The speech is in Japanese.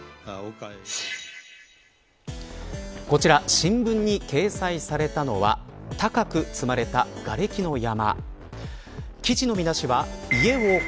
こちら、新聞に掲載されたのは高く積まれた、がれきの山。